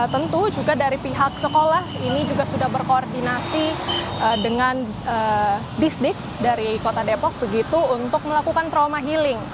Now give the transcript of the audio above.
tentu juga dari pihak sekolah ini juga sudah berkoordinasi dengan disdik dari kota depok begitu untuk melakukan trauma healing